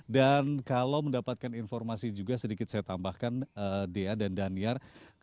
dan kalau mendapatkan informasi juga sedikit saya tambahkan dea dan danier